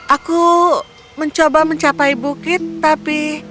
aku mencoba mencapai bukit tapi